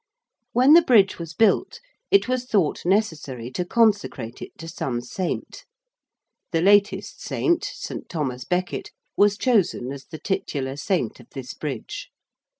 When the Bridge was built it was thought necessary to consecrate it to some saint. The latest saint, St. Thomas Becket, was chosen as the titular saint of this Bridge.